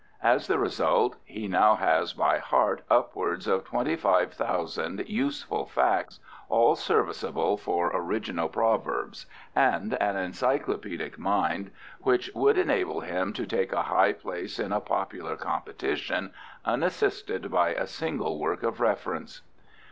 As the result he now has by heart upwards of twenty five thousand useful facts, all serviceable for original proverbs, and an encyclopaedic mind which would enable him to take a high place in a popular competition unassisted by a single work of reference."